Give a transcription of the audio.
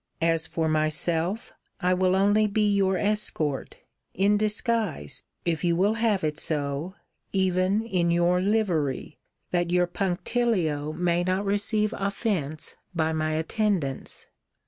As for myself, I will only be your escort, in disguise, if you will have it so, even in your livery, that your punctilio may not receive offence by my attendance.'